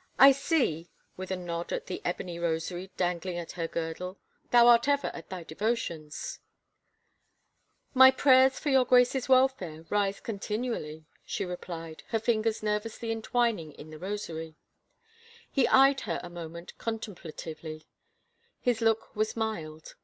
" I see," with a nod at the ebony rosary dangling at her girdle, " thou art ever at thy devotions." " My prayers for your Grace's welfare rise continu ally," she replied, her fingers nervously entwining in the rosary. He eyed her a moment contemplatively. His look was mild.